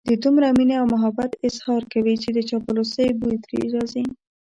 د دومره مينې او محبت اظهار کوي چې د چاپلوسۍ بوی ترې راځي.